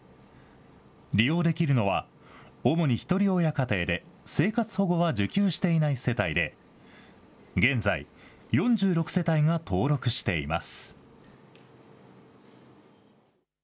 利用できるのは、主にひとり親家庭で生活保護は受給していない世帯で、現在、４６世帯が登録しています。